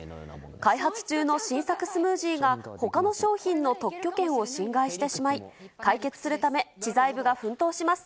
開発中の新作スムージーがほかの商品の特許権を侵害してしまい、解決するため、知財部が奮闘します。